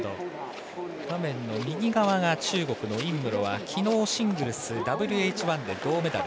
画面右側が中国の尹夢ろはきのう、シングルスＷＨ１で銅メダル。